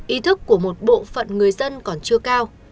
ý thức của một bộ phận người dân còn chưa cao